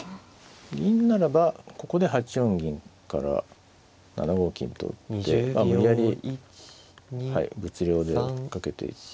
銀ならばここで８四銀から７五金と打ってまあ無理やり物量でかけていって。